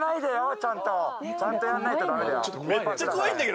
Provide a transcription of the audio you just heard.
ちゃんとやんないと駄目だよ。